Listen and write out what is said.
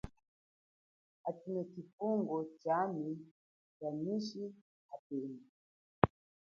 Atshino tshimbungu tsha yishi jami apema.